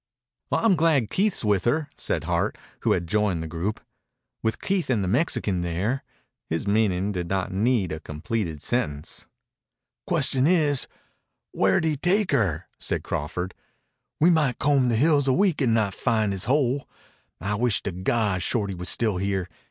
"I'm glad Keith's with her," said Hart, who had joined the group. "With Keith and the Mexican there " His meaning did not need a completed sentence. "Question is, where did he take her," said Crawford. "We might comb the hills a week and not find his hole. I wish to God Shorty was still here.